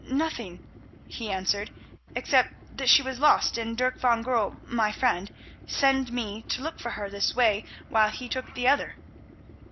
"Nothing," he answered, "except that she was lost and Dirk van Goorl, my friend, send me to look for her this way while he took the other."